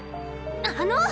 あの！